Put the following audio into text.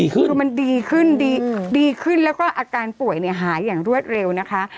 คือมันดีขึ้นดีขึ้นแล้วก็อาการป่วยเนี่ยหายอย่างรวดเร็วนะคะ